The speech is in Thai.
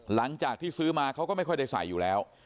หลังจากที่ซื้อมาเขาก็ไม่ค่อยได้ใส่อยู่แล้ว